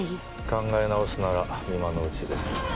考え直すなら今のうちです。